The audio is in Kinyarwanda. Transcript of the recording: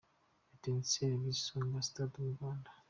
Etincelles vs Isonga – Stade Umuganda.